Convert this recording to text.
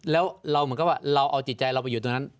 แล้วเราเหมือนกับว่าเราเอาจิตใจเราไปอยู่ตรงนั้น